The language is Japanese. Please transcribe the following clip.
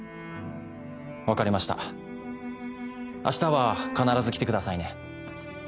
分かりましたあしたは必ず来てくださいね。